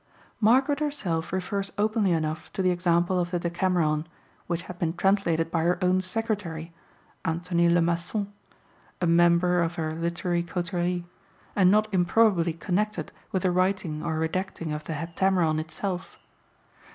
Margaret herself refers openly enough to the example of the Decameron, which had been translated by her own secretary, Anthony le Maçon, a member of her literary coterie, and not improbably connected with the writing or redacting of the Heptameron itself.